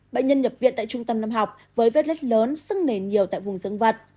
bệnh nhân nhập viện tại trung tâm năm học với vết lết lớn sưng nề nhiều tại vùng dân vật